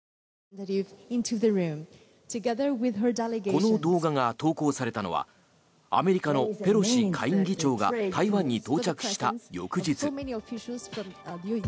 この動画が投稿されたのはアメリカのペロシ下院議長が台湾に到着した翌日。